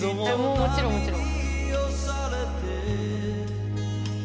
もちろん、もちろん。